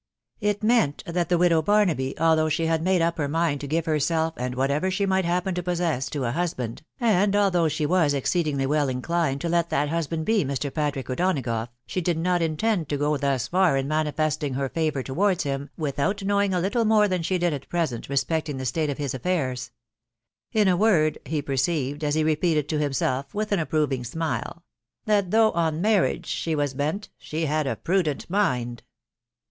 It meant that the Widow Baraaby, although she had made trp her mind to give herself and whatever she Slight happen' to possess to a husband, and although, she was e— oad» ingly well inclined to let that husband be Mr. Patrick O'&sa agough, she did not intend to go thus far in «nu favour towards him, without knowing a tittle did at present respecting the state of his sffinra. 3m a Hoard, he perceived, as he repeated to himself, with an apprising smile, — That though on marriage she wai bent, She had a prudent mina.